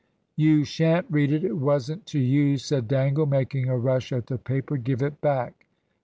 "You shan't read it; it wasn't to you!" said Dangle, making a rush at the paper; "give it back!"